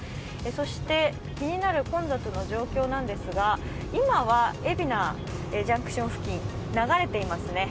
そして、気になる混雑の状況ですが今は海老名ジャンクション付近流れています。